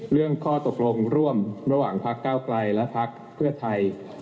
เรื่องข้อตกลงร่วมระหว่างพักเก้าไกลและพักเพื่อไทย